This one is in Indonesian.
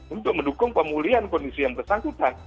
untuk mendukung pemulihan kondisi yang bersangkutan